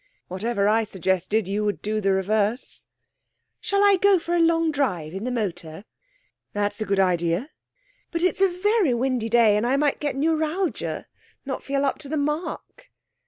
'Whatever I suggested you would do the reverse.' 'Shall I go for a long drive in the motor?' 'That's a good idea.' 'But it's a very windy day, and I might get neuralgia not feel up to the mark.'